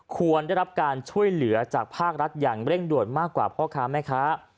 ควรได้รับการช่วยเหลือจากภาครัฐอย่างเร่งด่วนมากกว่าพ่อค้าแม่ค้า